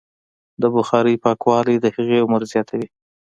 د بخارۍ پاکوالی د هغې عمر زیاتوي.